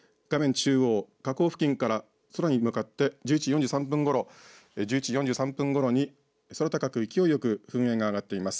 中央、火口付近から空に向かって１１時４３分ごろ、１１時４３分ごろに空高く勢いよく噴煙が上がっています。